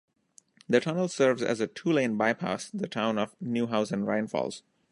The tunnel serves as a two-lane bypass the town of Neuhausen Rhine Falls.